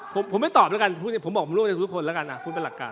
ผมไม่ตอบแล้วกันผมบอกผมร่วมกันทุกคนแล้วกันพูดเป็นหลักการ